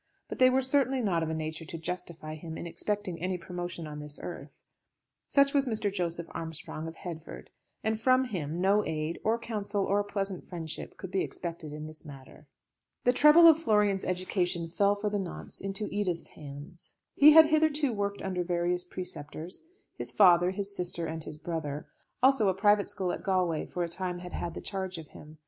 But they were certainly not of a nature to justify him in expecting any promotion on this earth. Such was Mr. Joseph Armstrong, of Headford, and from him no aid, or counsel, or pleasant friendship could be expected in this matter. The trouble of Florian's education fell for the nonce into Edith's hands. He had hitherto worked under various preceptors; his father, his sister, and his brother; also a private school at Galway for a time had had the charge of him.